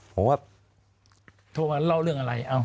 ผมก็โทรมาเล่าเรื่องอะไร